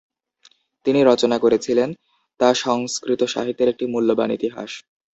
তিনি রচনা করেছিলেন, তা সংস্কৃত সাহিত্যের একটি মূল্যবান ইতিহাস।